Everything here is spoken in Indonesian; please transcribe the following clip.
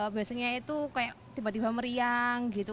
biasanya itu kayak tiba tiba meriang gitu